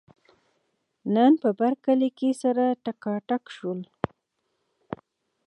نن په برکلي کې سره ټکاټک شول.